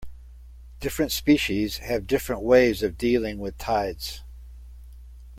Different species have different ways of dealing with tides.